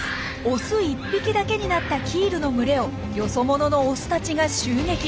オス１匹だけになったキールの群れをよそ者のオスたちが襲撃！